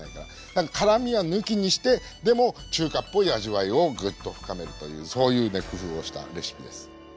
だから辛みは抜きにしてでも中華っぽい味わいをぐっと深めるというそういうね工夫をしたレシピです。